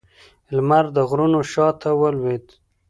لمر د غرونو شا ته ولوېد